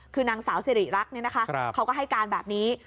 คือนางสาวสิริรักษ์เขาก็ให้การแบบนี้